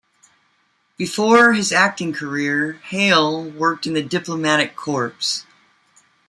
Before his acting career, Hale worked in the Diplomatic Corps.